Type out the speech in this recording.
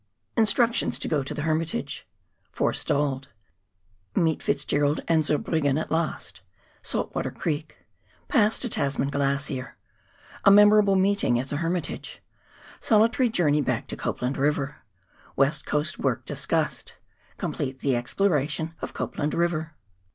Instructions to go to Hermitage — Forestalled — Meet Fitzgerald and Zurbriggen at last — Saltwater Creek — Pass to Tasman Glacier — A Memorable Meeting at the Hermitage — Solitary Journey back to Copland River — West Coast Work discussed— Complete the Exploration of Copland River.